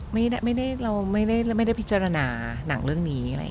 ไม่ได้ปิจารณาหนังเรื่องนี้